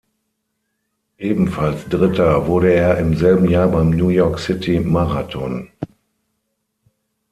Ebenfalls Dritter wurde er im selben Jahr beim New-York-City-Marathon.